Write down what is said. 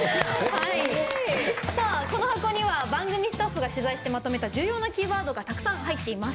この箱には番組スタッフが取材してまとめた重要なキーワードがたくさん入っています。